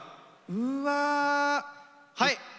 うわはい！